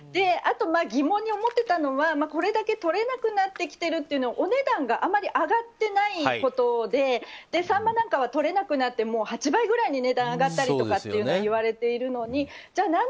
あと疑問に思ってたのはこれだけ取れなくなってきてるのにお値段があまり上がっていないことでサンマなんかはとれなくなって８倍くらいに値段が上がったりとか言われているのにじゃあ